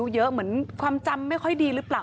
เยอะเหมือนความจำไม่ค่อยดีหรือเปล่า